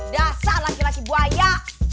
dasar laki laki buaya